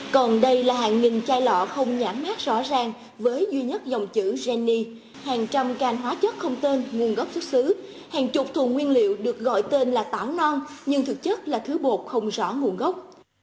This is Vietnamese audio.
còn đây là hàng nghìn chai lọ không nhãn mát rõ ràng với duy nhất dòng chữ geny hàng trăm gành hóa chất không tên nguồn gốc xuất xứ hàng chục thùng nguyên liệu được gọi tên là tảo non nhưng thực chất là thứ bột không rõ nguồn gốc